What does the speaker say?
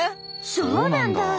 そうなんだ。